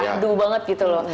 syandu banget gitu loh